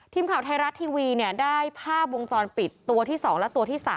ทีมข่าวไทยรัฐทีวีได้ภาพวงจรปิดตัวที่๒และตัวที่๓